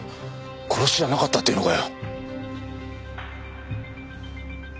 殺しじゃなかったっていうのかよ。